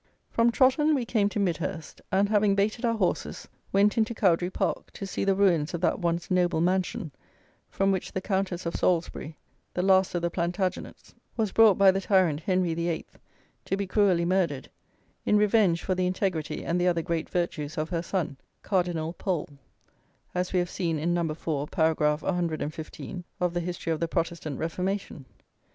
From Trotten we came to Midhurst, and, having baited our horses, went into Cowdry Park to see the ruins of that once noble mansion, from which the Countess of Salisbury (the last of the Plantagenets) was brought by the tyrant Henry the Eighth to be cruelly murdered, in revenge for the integrity and the other great virtues of her son, Cardinal Pole, as we have seen in Number Four, paragraph 115, of the "History of the Protestant Reformation."